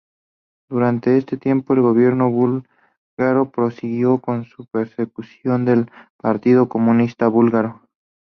Durante este tiempo, el Gobierno búlgaro prosiguió con su persecución del Partido Comunista Búlgaro.